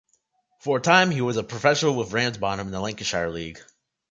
For a time, he was a professional with Ramsbottom in the Lancashire League.